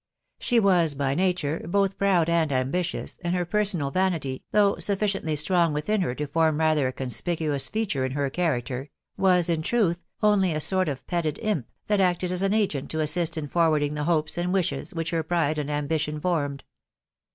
"8he was by nature 'both proud and «mbitious,>and her personal vanity, though Buffi cien try strong within her to form rather a conspicuous feature in1 her character, was, in truth, 'only a sort of petted imp, that acted as an Agent to assist in forwarding the hopes and wishes which her pride and ambition formed.